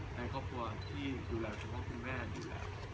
ในครอบครัวที่ดูแลคุณพ่อคุณแม่ดูแล